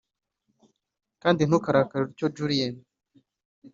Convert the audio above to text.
kandi ntukarakare utyo Julienne